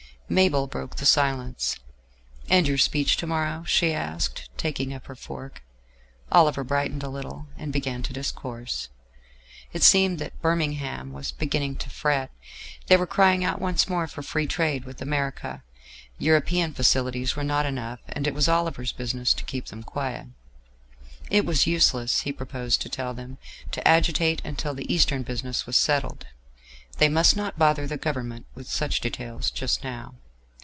Mabel broke the silence. "And your speech to morrow?" she asked, taking up her fork. Oliver brightened a little, and began to discourse. It seemed that Birmingham was beginning to fret. They were crying out once more for free trade with America: European facilities were not enough, and it was Oliver's business to keep them quiet. It was useless, he proposed to tell them, to agitate until the Eastern business was settled: they must not bother the Government with such details just now.